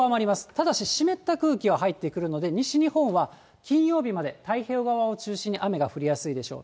ただし、湿った空気は入ってくるので、西日本は金曜日まで、太平洋側を中心に雨が降りやすいでしょう。